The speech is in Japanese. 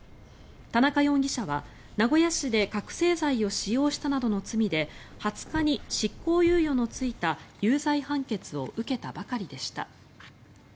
田中容疑者は名古屋市で覚醒剤を使用したなどの罪で２０日に、執行猶予のついた有罪判決を受けたばかりでした。